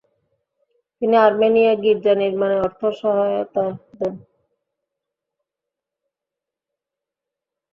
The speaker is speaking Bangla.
তিনি আর্মেনীয় গির্জা নির্মাণে অর্থসহায়তা দেন।